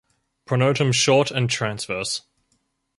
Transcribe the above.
Pronotum short and transverse.